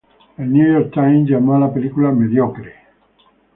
The New York Times llamo a la película "mediocre".